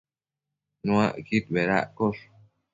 Nuacquid bedaccosh